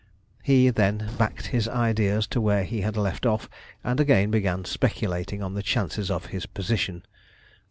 He then 'backed' his ideas to where he had left off, and again began speculating on the chances of his position.